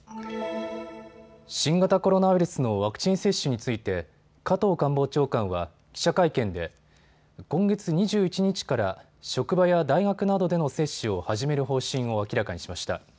新型コロナウイルスのワクチン接種について加藤官房長官は記者会見で今月２１日から職場や大学などでの接種を始める方針を明らかにしました。